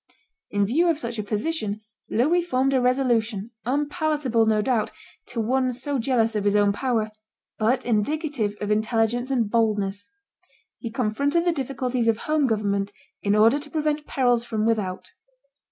In view of such a position Louis formed a resolution, unpalatable, no doubt, to one so jealous of his own power, but indicative of intelligence and boldness; he confronted the difficulties of home government in order to prevent perils from without.